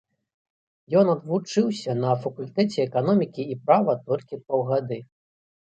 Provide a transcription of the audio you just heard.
Ён адвучыўся на факультэце эканомікі і права толькі паўгады.